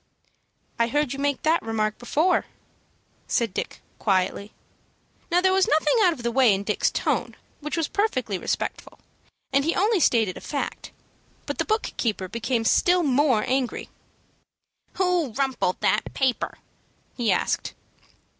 "I heard you make that remark before," said Dick, quietly. Now there was nothing out of the way in Dick's tone, which was perfectly respectful, and he only stated a fact; but the book keeper became still more angry. "Who rumpled that paper?" he asked.